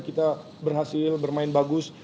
kita berhasil bermain bagus